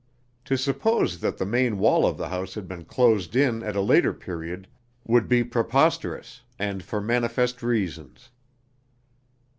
To suppose that the main wall of the house had been closed in at a later period would be preposterous, and for manifest reasons.